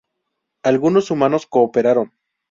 Algunos humanos cooperaron.